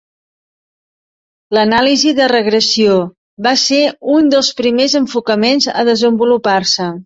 L'anàlisi de regressió va ser un dels primers enfocaments a desenvolupar-se.